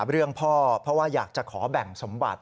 เรื่องพ่อเพราะว่าอยากจะขอแบ่งสมบัติ